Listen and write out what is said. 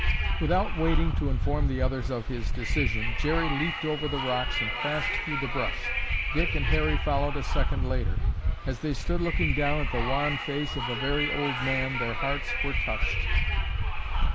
Without waiting to inform the others of his decision, Jerry leaped over the rocks and crashed through the brush. Dick and Harry followed a second later. As they stood looking down at the wan face of a very old man their hearts were touched.